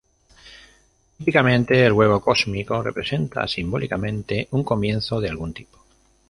Típicamente el huevo cósmico representa simbólicamente un comienzo de algún tipo.